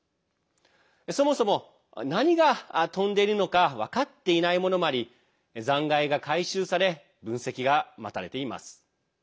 そもそも何が飛んでいるのか分かっていないものもあり残骸が回収され分析が待たれています。